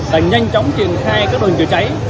đã nhanh chóng triển khai các đồn chữa cháy